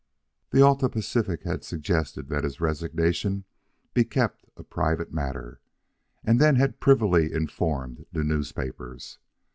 The Alta Pacific had suggested that his resignation be kept a private matter, and then had privily informed the newspapers.